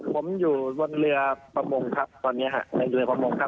ผมอยู่บนเรือประมงครับตอนนี้ฮะในเรือประมงครับ